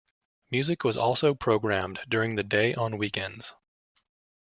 Music was also programmed during the day on weekends.